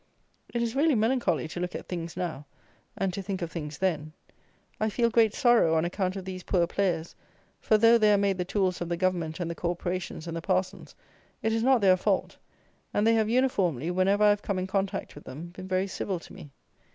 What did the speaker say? It is really melancholy to look at things now, and to think of things then. I feel great sorrow on account of these poor players; for, though they are made the tools of the Government and the corporations and the parsons, it is not their fault, and they have uniformly, whenever I have come in contact with them, been very civil to me.